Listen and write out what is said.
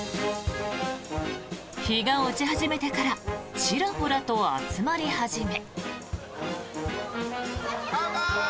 日が落ち始めてからちらほらと集まり始め。